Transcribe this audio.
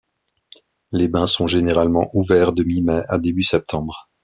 Les bains sont généralement ouverts de mi-mai à début septembre.